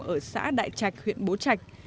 ở xã đại trạch huyện bố trạch